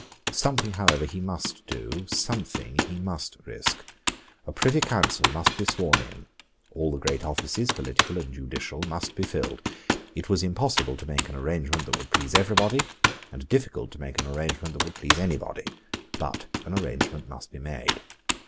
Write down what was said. Something however he must do: something he must risk: a Privy Council must be sworn in: all the great offices, political and judicial, must be filled. It was impossible to make an arrangement that would please every body, and difficult to make an arrangement that would please any body; but an arrangement must be made.